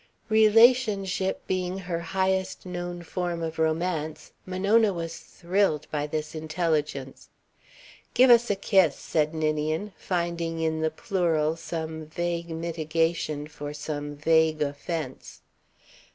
Relationship being her highest known form of romance, Monona was thrilled by this intelligence. "Give us a kiss," said Ninian, finding in the plural some vague mitigation for some vague offence.